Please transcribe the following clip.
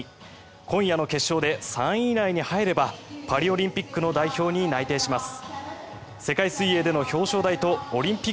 今夜の決勝で３位以内に入ればパリオリンピックの代表に内定します。